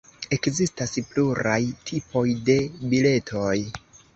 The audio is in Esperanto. Ekzistas pluraj tipoj de biletoj.